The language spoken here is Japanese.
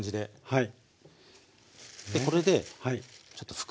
はい。